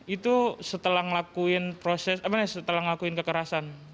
itu setelah ngelakuin proses apa setelah ngelakuin kekerasan